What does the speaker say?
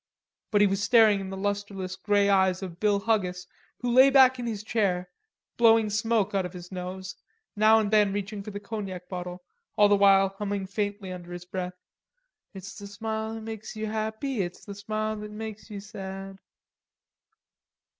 but he was staring in the lustreless grey eyes of Bill Huggis, who lay back in his chair, blowing smoke out of his nose, now and then reaching for the cognac bottle, all the while humming faintly, under his breath: "It's the smile that makes you happy, It's the smile that makes you sad."